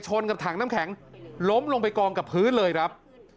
กับถังน้ำแข็งล้มลงไปกองกับพื้นเลยครับ